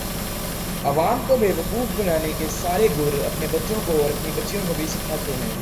عوام کو بیوقوف بنانے کے سارے گُر اپنے بچوں کو اور اپنی بچیوں کو بھی سیکھاتے ہیں